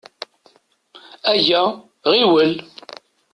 Ayya, ɣiwel!